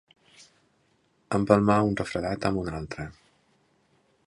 Empalmar un refredat amb un altre.